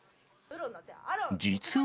実は。